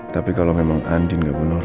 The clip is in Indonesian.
tapi kalau memang andin nggak bunuh roy